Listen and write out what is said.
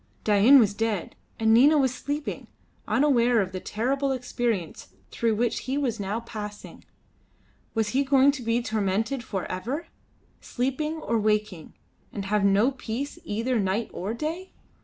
Dain was dead, and Nina was sleeping, unaware of the terrible experience through which he was now passing. Was he going to be tormented for ever, sleeping or waking, and have no peace either night or day?